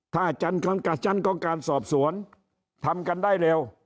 ถ้ากระชั้นของการสอบสวนทำกันได้เร็ว